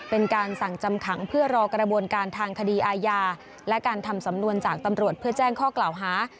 เป็นการสั่งจำขังเพื่อรอกระบวนการทางคดีอาญาและการทำสำนวนจากตำรวจเพื่อแจ้งข้อกล่าวหา